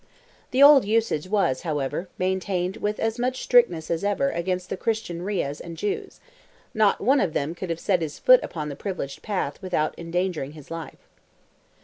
The old usage was, however, maintained with as much strictness as ever against the Christian Rayahs and Jews: not one of them could have set his foot upon the privileged path without endangering his life.